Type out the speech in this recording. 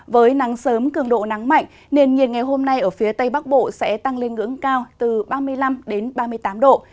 với nắng sớm cường độ nắng mạnh nền nhiệt ngày hôm nay ở phía tây bắc bộ sẽ tăng lên ngưỡng cao từ ba mươi năm ba mươi tám độ